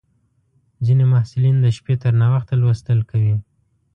ځینې محصلین د شپې تر ناوخته لوستل کوي.